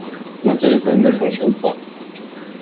Mon téléphone ne fonctionne pas.